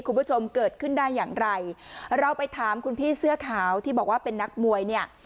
คุณผู้ชมเกิดขึ้นได้อย่างไรเราไปถามคุณพี่เสื้อขาวที่บอกว่าเป็นนักมวยเนี่ย